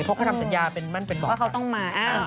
เพราะเขาทำสัญญาเป็นบอกว่าเขาต้องมา